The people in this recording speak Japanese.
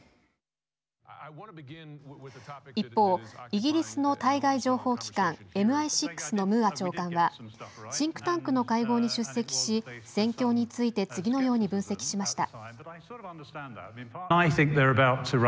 一方、イギリスの対外情報機関ＭＩ６のムーア長官はシンクタンクの会合に出席し戦況について次のように分析しました。